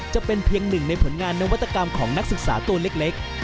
จะเป็นเพียงหนึ่งในผลงานนวัตกรรมของนักศึกษาตัวเล็ก